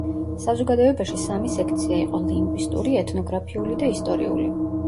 საზოგადოებაში სამი სექცია იყო: ლინგვისტური, ეთნოგრაფიული და ისტორიული.